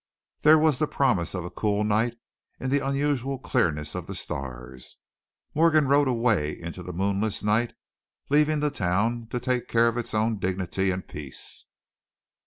There was the promise of a cool night in the unusual clearness of the stars. Morgan rode away into the moonless night, leaving the town to take care of its own dignity and peace.